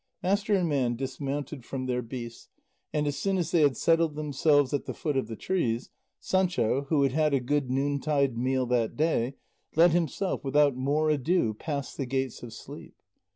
Master and man dismounted from their beasts, and as soon as they had settled themselves at the foot of the trees, Sancho, who had had a good noontide meal that day, let himself, without more ado, pass the gates of sleep.